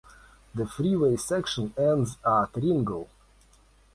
The freeway section ends at Ringle.